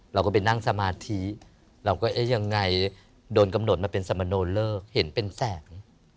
เราก็ไปนั่งสมาธิเราก็เอ๊ะยังไงโดนกำหนดมาเป็นสมโนเลิกเห็นเป็นแสง